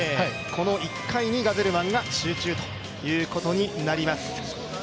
この１回にガゼルマンが集中ということになります。